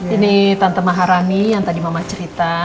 ini tante maharani yang tadi mama cerita